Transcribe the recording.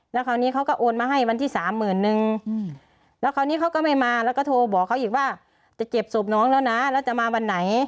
แล้วคราวนี้เขาก็โอนมาให้วันที่สามหมื่นนึงแล้วคราวนี้เขาก็ไม่มาแล้วก็โทรบอกเขาอีกว่าจะเก็บศพน้องแล้วนะแล้วจะมาวันไหน